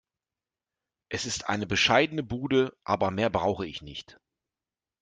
Es ist eine bescheidene Bude, aber mehr brauche ich nicht.